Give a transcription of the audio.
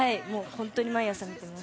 本当に毎朝見てます。